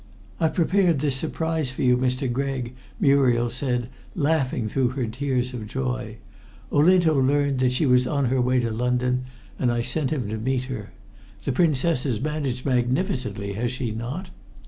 "I prepared this surprise for you, Mr. Gregg," Muriel said, laughing through her tears of joy. "Olinto learnt that she was on her way to London, and I sent him to meet her. The Princess has managed magnificently, has she not?"